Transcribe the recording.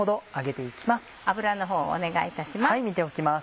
油のほうお願いいたします。